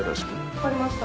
分かりました。